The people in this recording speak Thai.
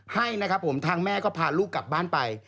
ให้นะครับผมทางแม่ก็พาลูกกลับบ้านไป